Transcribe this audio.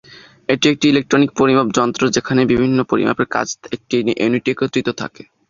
এটি একটি ইলেকট্রনিক পরিমাপ যন্ত্র, যেখানে বিভিন্ন পরিমাপের কাজ একটি ইউনিটে একত্রিত থাকে।